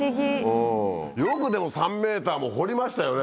よくでも３ｍも掘りましたよね